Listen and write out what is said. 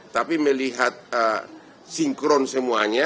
tapi melihat sinkron semuanya